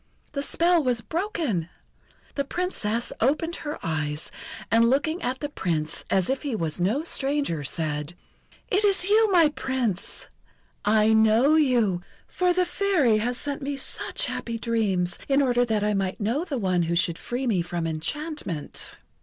The spell was broken! The Princess opened her eyes, and, looking at the Prince as if he was no stranger, said: "Is it you, my Prince! I know you, for the Fairy has sent me such happy dreams in order that I might know the one who should free me from enchantment."